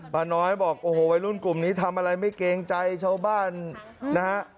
ป้าน้อยบอกโอ้โหวัยรุ่นกลุ่มนี้ทำอะไรไม่เกรงใจชาวบ้านนะฮะ